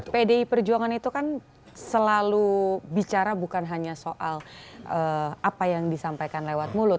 pdi perjuangan itu kan selalu bicara bukan hanya soal apa yang disampaikan lewat mulut